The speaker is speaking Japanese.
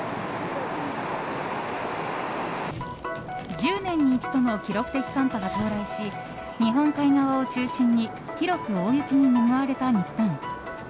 １０年に一度の記録的寒波が到来し日本海側を中心に広く大雪に見舞われた日本。